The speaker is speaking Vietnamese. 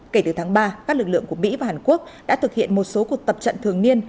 kể từ tháng ba các lực lượng của mỹ và hàn quốc đã thực hiện một số cuộc tập trận thường niên